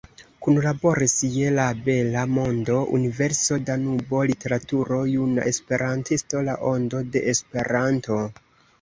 Kunlaboris je "La Bela Mondo, Universo, Danubo, Literaturo, Juna Esperantisto, La Ondo de Esperanto.